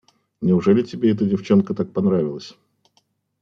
Неужели тебе эта девчонка так понравилась?